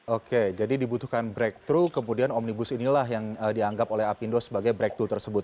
oke jadi dibutuhkan breakthrough kemudian omnibus inilah yang dianggap oleh apindo sebagai breakth tersebut